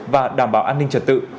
và đảm bảo an ninh trật tự